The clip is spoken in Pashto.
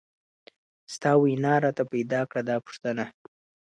ستا وینا راته پیدا کړه دا پوښتنه.